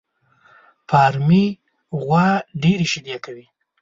فارمي غوا ډېري شيدې کوي